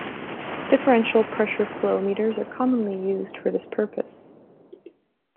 Differential pressure flow meters are commonly used for this purpose.